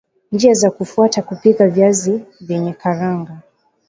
njia za kufuata kupika viazi vyenye karanga